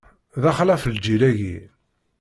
D axlaf, lǧil-agi!